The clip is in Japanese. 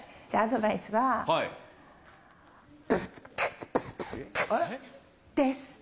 じゃあアドバイスは。です。